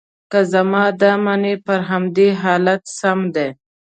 که زما دا منې، پر همدې حالت سم دي.